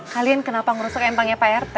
kalian kenapa ngurus kayak panggil pak rt